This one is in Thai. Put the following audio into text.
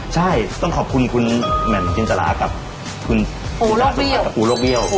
ใช่ต้องขอบคุณคุณแหม่มจินตรากับคุณโลกเบี้ยว